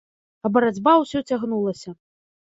А барацьба ўсё цягнулася.